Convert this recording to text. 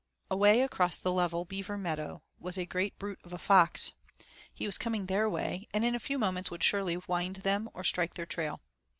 Away across the level beaver meadow was a great brute of a fox. He was coming their way, and in a few moments would surely wind them or strike their trail.